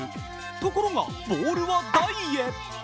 ところが、ボールは台へ。